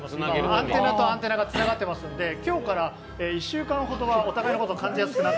アンテナとアンテナがつながってますので、今日から１週間ほどはお互いのこと感じやすく。